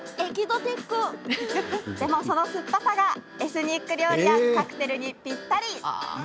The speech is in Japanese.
でも、その酸っぱさがエスニック料理やカクテルにぴったり！